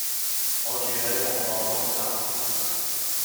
我住喺旺角東站附近